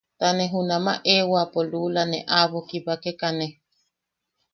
Ta ne junama eewapo luula ne aʼabo kibakekane.